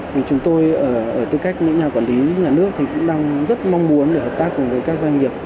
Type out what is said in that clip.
thì chúng tôi ở tư cách những nhà quản lý nhà nước thì cũng đang rất mong muốn để hợp tác cùng với các doanh nghiệp